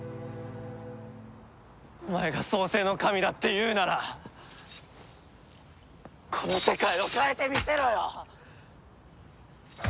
お前が創世の神だっていうならこの世界を変えてみせろよ！